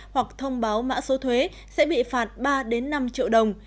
hoặc thông báo mã số thuế sẽ bị phạt ba năm triệu đồng